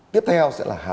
tiếp theo sẽ là hà nam